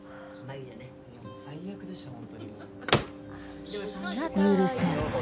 いやもう最悪でしたホントに許せん